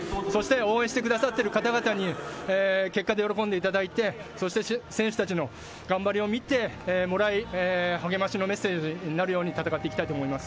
応援してくださる方々に結果で喜んでいただいて、選手たちの頑張りを見て、励ましのメッセージになるように戦っていきたいと思います。